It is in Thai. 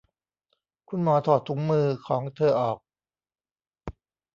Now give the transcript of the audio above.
คุณหมอถอดถุงมือของเธอออก